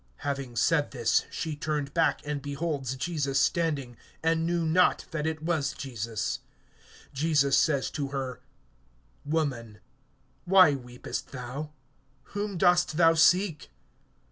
(14)Having said this, she turned back and beholds Jesus standing, and knew not that it was Jesus. (15)Jesus says to her: Woman, why weepest thou? Whom dost thou seek?